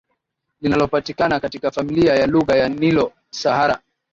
Linalopatikana katika familia ya lugha ya Nilo Sahara